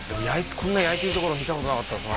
こんな焼いてるところ見たことなかったです